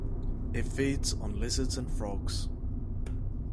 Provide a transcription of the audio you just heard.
It feeds on lizards and frogs.